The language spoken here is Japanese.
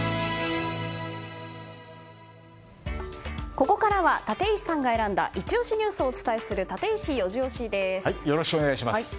ここからは立石さんが選んだイチ推しニュースをお伝えするよろしくお願いします。